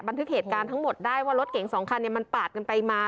บันทึกเหตุการณ์ทั้งหมดได้ว่ารถเก๋งสองคันมันปาดกันไปมา